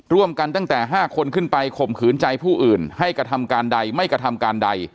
ตั้งแต่๕คนขึ้นไปข่มขืนใจผู้อื่นให้กระทำการใดไม่กระทำการใด